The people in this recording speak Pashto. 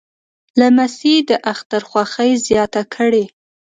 لمسی د اختر خوښي زیاته کړي.